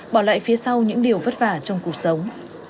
bỏ lại phía sau những điều vất vả trong cuộc sống